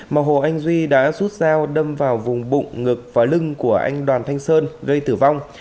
mà hồ anh duy đã rút dao đâm vào vùng bụng ngực và lưng của anh đoàn thanh sơn gây tử vong